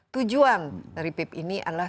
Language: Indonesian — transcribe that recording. tujuan dari pip ini adalah